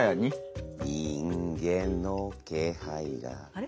あれ？